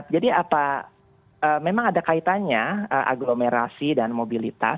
jadi apa memang ada kaitannya agglomerasi dan mobilitas